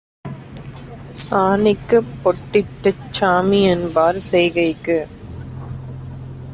சாணிக்குப் பொட்டிட்டுச் சாமிஎன்பார் செய்கைக்கு